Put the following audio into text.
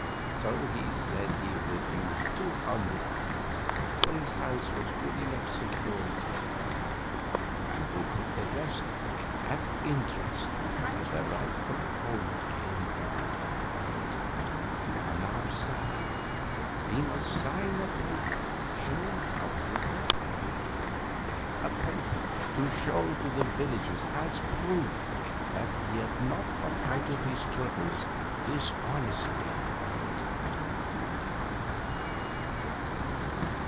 So he said he would use two hundred of it, for his house was good enough security for that, and would put the rest at interest till the rightful owner came for it; and on our side we must sign a paper showing how he got the money a paper to show to the villagers as proof that he had not got out of his troubles dishonestly.